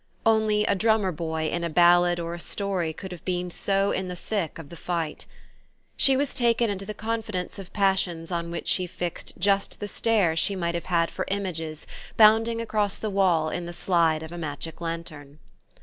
Only a drummer boy in a ballad or a story could have been so in the thick of the fight. She was taken into the confidence of passions on which she fixed just the stare she might have had for images bounding across the wall in the slide of a magic lantern.